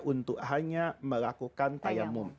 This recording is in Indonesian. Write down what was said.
untuk hanya melakukan tayamu